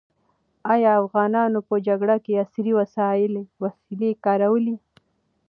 ایا افغانانو په جګړه کې عصري وسلې کارولې؟